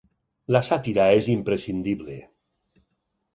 La sàtira és imprescindible.